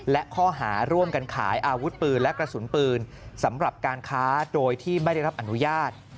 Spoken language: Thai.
และข้อหาร่วมกันขายอาวุธปืนและกระสุนปืนสำหรับการค้าโดยที่ไม่ได้รับอนุญาต